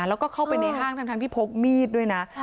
แล้วก็เข้าไปในห้างทั้งที่พกมีดด้วยนะ